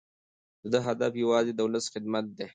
د ده هدف یوازې د ولس خدمت دی.